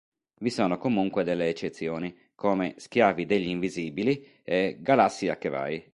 Vi sono comunque delle eccezioni, come "Schiavi degli invisibili" e "Galassia che vai".